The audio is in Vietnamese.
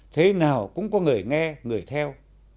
thế nào cũng có người nghe người theo